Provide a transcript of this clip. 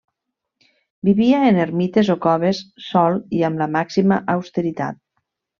Vivia en ermites o coves, sol i amb la màxima austeritat.